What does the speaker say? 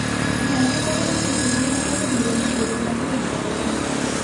ধারণা করা হচ্ছে, জমি সংক্রান্ত বিরোধের জেরেই তাঁকে হত্যা করা হয়েছে।